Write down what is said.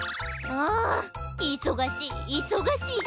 あいそがしいいそがしい。